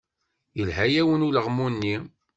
Yelha-yawen ulaɣmu-nni.